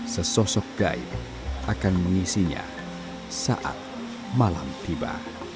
sesosok gaib akan mengisinya saat malam tiba